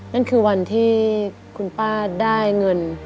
นั่นคือวันที่คุณป้าได้เงิน